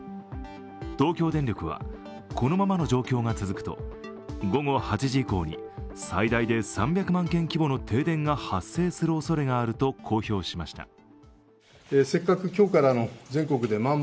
東京電力はこのままの状況が続くと、午後８時以降に最大で３００万軒規模の停電が発生するおそれがあると公表しました。